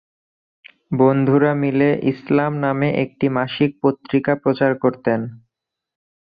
বন্ধুরা মিলে "ইসলাম" নামে একটি মাসিক পত্রিকা প্রচার করতেন।